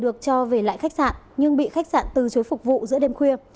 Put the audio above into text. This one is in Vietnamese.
được cho về lại khách sạn nhưng bị khách sạn từ chối phục vụ giữa đêm khuya